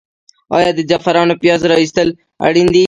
آیا د زعفرانو پیاز را ایستل اړین دي؟